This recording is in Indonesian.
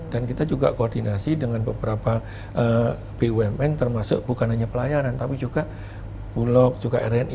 dan kita juga koordinasi dengan beberapa bumn termasuk bukan hanya pelayanan tapi juga bulog juga rni